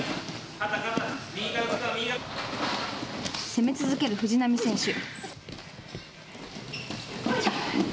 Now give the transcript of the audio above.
攻め続ける藤波選手。